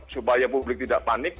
supaya publik tidak panik